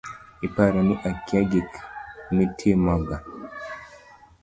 Iparo ni akia gik mitimoga